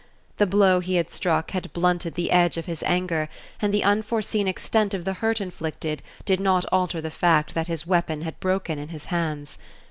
The blow he had struck had blunted the edge of his anger, and the unforeseen extent of the hurt inflicted did not alter the fact that his weapon had broken in his hands.